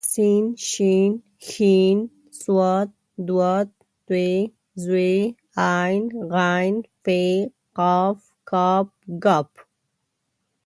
س ش ښ ص ض ط ظ ع غ ف ق ک ګ